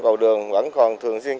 cầu đường vẫn còn thường xuyên